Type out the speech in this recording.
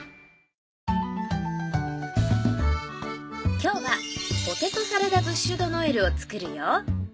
今日はポテトサラダブッシュドノエルを作るよ。